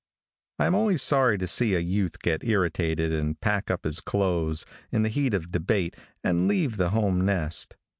|I AM always sorry to see a youth get irritated and pack up his clothes, in the heat of debate, and leave the home nest.